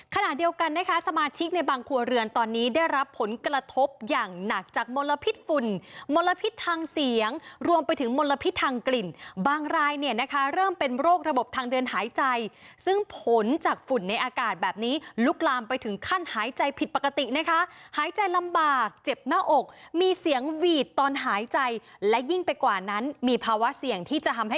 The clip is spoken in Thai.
ขณะเดียวกันนะคะสมาชิกในบางครัวเรือนตอนนี้ได้รับผลกระทบอย่างหนักจากมลพิษฝุ่นมลพิษทางเสียงรวมไปถึงมลพิษทางกลิ่นบางรายเนี่ยนะคะเริ่มเป็นโรคระบบทางเดินหายใจซึ่งผลจากฝุ่นในอากาศแบบนี้ลุกลามไปถึงขั้นหายใจผิดปกตินะคะหายใจลำบากเจ็บหน้าอกมีเสียงหวีดตอนหายใจและยิ่งไปกว่านั้นมีภาวะเสี่ยงที่จะทำให้